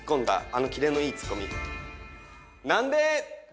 あのキレのいいツッコミ。